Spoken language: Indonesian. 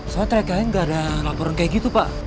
soalnya terakhir kali nggak ada laporan kayak gitu pak